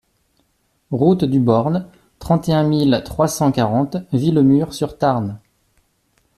Route du Born, trente et un mille trois cent quarante Villemur-sur-Tarn